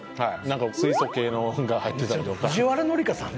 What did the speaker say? なんか水素系のが入ってたりとか。